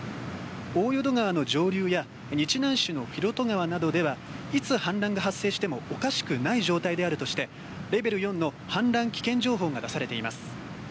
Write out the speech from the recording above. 大淀川の上流や日南市の広渡川ではいつ氾濫が発生してもおかしくない状態であるとしてレベル４の氾濫危険情報が出されています。